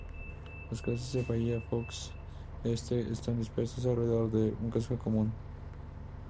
Las casas de Bahía Fox Este están dispersas alrededor de un casco común.